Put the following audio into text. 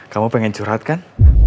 kamu pengen curhat kan